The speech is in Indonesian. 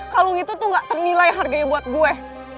kalung itu tuh gak ternilai harganya buat gue